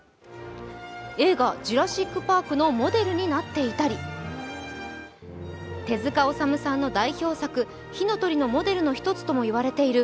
映画「ジュラシック・パーク」のモデルになっていたり、手塚治虫さんの代表作「火の鳥」のモデルの一つとも言われている